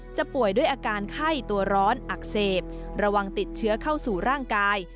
ป่วยด้วยอาการไข้ตัวร้อนอักเสบระวังติดเชื้อเข้าสู่ร่างกาย